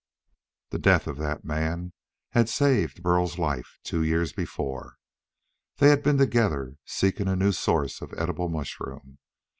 The death of that man had saved Burl's life two years before. They had been together, seeking a new source of edible mushroom.